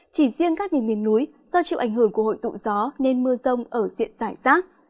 chỉ riêng các nền miền núi do chịu ảnh hưởng của hội tụ gió nên mưa rông ở diện giải rác